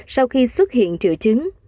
sau khi xuất hiện triệu chứng